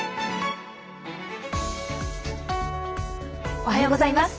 おはようございます。